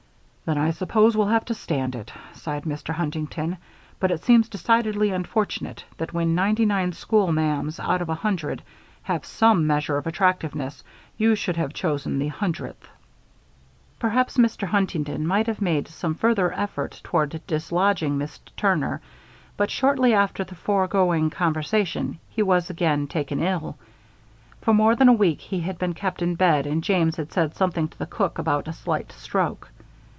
"Then I suppose we'll have to stand it," sighed Mr. Huntington, "but it seems decidedly unfortunate that when ninety nine school ma'ams out of a hundred have some measure of attractiveness, you should have chosen the hundredth." Perhaps Mr. Huntington might have made some further effort toward dislodging Miss Turner; but shortly after the foregoing conversation, he was again taken ill. For more than a week he had been kept in bed and James had said something to the cook about "a slight stroke."